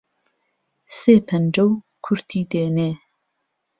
سێ پهنجهو کورتی دێنێ